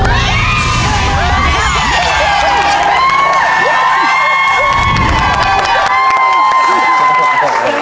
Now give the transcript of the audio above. ๕พันบาท๒ตู้